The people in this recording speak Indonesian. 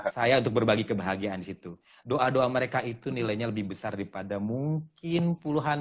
saya untuk berbagi kebahagiaan di situ doa doa mereka itu nilainya lebih besar daripada mungkin puluhan